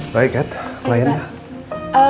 baik kat kliennya